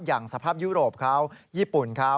อย่างสภาพยุโรปเยี่ยมญี่ปุ่น